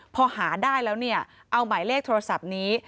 พอหาได้แล้วเนี่ยเอาหมายเลขโทรศัพท์นี้